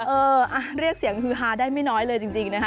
เออเรียกเสียงฮือฮาได้ไม่น้อยเลยจริงนะคะ